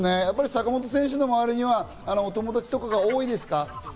やっぱり坂本選手の周りには友達とか多いですか？